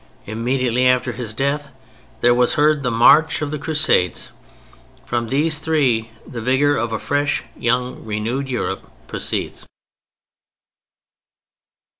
Immediately after his death there was heard the march of the Crusades. From these three the vigor of a fresh, young, renewed Europe proceeds.